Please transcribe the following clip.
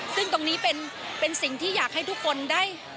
ซึ่งตรงนี้เป็นสิ่งที่อยากให้ทุกคนได้